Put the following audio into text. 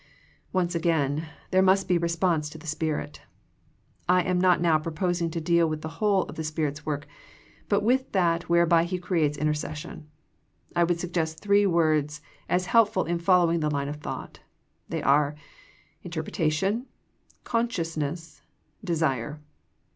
TOnce again, there must be response to the Spirit. I am not now proposing to deal with the ,^../ whole of the Spirit's work, but with that whereby '^I, <^^ He creates intercession. I would suggest three words as helpful in following the line of thought. They are, interpretation, consciousness, desire.